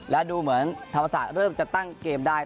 และดูเหมือนธรรมศาสตร์เริ่มจะตั้งเกมได้